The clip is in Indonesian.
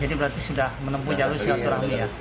jadi berarti sudah menempuh jalur siaturannya ya